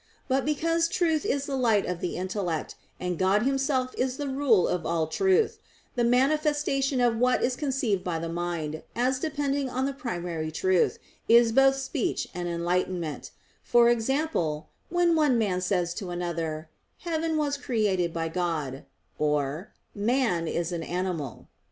But because truth is the light of the intellect, and God Himself is the rule of all truth; the manifestation of what is conceived by the mind, as depending on the primary truth, is both speech and enlightenment; for example, when one man says to another: "Heaven was created by God"; or, "Man is an animal."